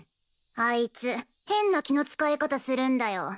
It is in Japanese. あいつ変な気の使い方するんだよ。